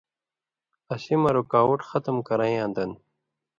اسی مہ رُکاوٹ ختم کرَئن٘یاں دن